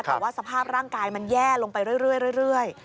แต่ว่าสภาพร่างกายมันแย่ลงไปเรื่อย